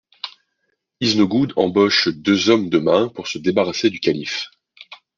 Iznogoud embauche deux hommes de main pour se débarrasser du calife.